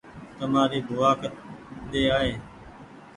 تمآري بووآ ڪۮي آئي